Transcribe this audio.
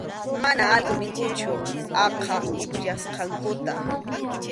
Mana alkul ninkuchu aqha upyasqankuta.